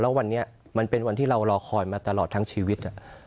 แล้ววันนี้มันเป็นวันที่เรารอคอยมาตลอดทั้งชีวิต